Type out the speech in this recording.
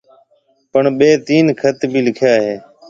پڻ ٻي تين خط ڀِي لِکيآ هيَ۔